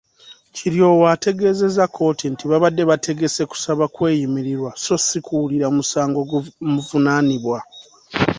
Kiryowa ategeezezza kkooti nti babadde beetegese kusaba kweyimirirwa so si kuwulira musango gumuvunaanibwa.